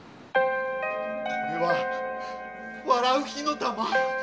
これは笑う火の玉？